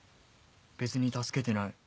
別に助けてない。